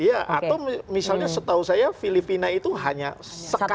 iya atau misalnya setahu saya filipina itu hanya sekali